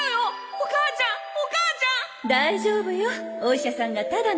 お母ちゃんお母ちゃん！